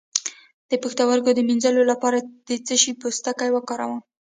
د پښتورګو د مینځلو لپاره د څه شي پوستکی وکاروم؟